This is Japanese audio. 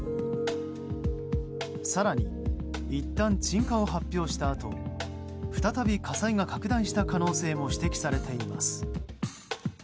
更に、いったん鎮火を発表したあと再び火災が拡大した可能性も指摘されています。